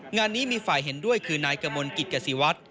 งานนี้มีฝ่ายเห็นด้วยคือนายกมลกิจกษิวัฒน์